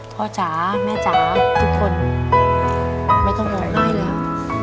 จ๋าแม่จ๋าทุกคนไม่ต้องร้องไห้แล้ว